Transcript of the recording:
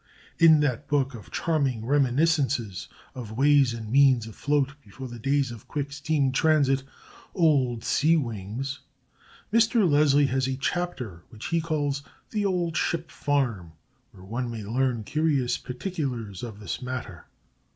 In that book of charming reminiscences of ways and means afloat before the days of quick steam transit, "Old Sea Wings," Mr. Leslie has a chapter which he calls "The Old Ship Farm," where one may learn curious particulars of this matter.